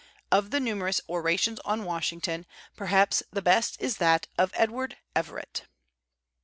Of the numerous orations on Washington, perhaps the best is that of Edward Everett.